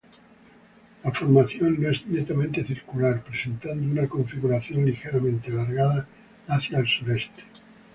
La formación no es netamente circular, presentando una configuración ligeramente alargada hacia el sureste.